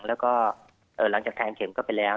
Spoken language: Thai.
แล้วก็หลังจากแทงเข็มเข้าไปแล้ว